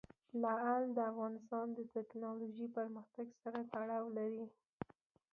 لعل د افغانستان د تکنالوژۍ پرمختګ سره تړاو لري.